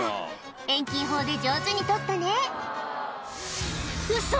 遠近法で上手に撮ったねウソ！